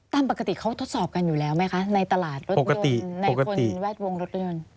ตามปกติเขาทดสอบกันอยู่แล้วไหมคะในตลาดรถยนต์ในคนแวดวงรถยนต์